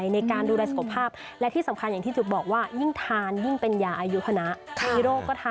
ได้ค่ะได้ค่ะควรทานเลยค่ะค่ะ